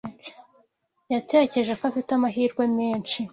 yatekereje ko afite amahirwe menshi.